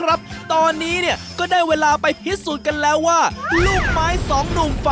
แอปเปิ้ลก่อน